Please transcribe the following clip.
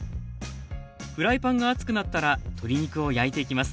フライパンが熱くなったら鶏肉を焼いていきます。